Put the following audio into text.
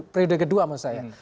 periode kedua maksud saya